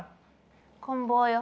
こん棒よ。